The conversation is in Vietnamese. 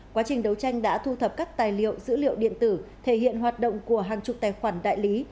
quá trình đấu tranh đã thu thập các tài liệu dữ liệu điện tử thể hiện hoạt động của hàng chục tài khoản đại lý